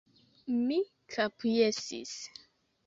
Mi kapjesis.